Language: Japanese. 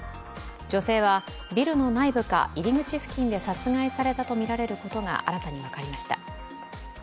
女性はビルの内部か入り口付近で殺害されたとみられることが新たに分かりました。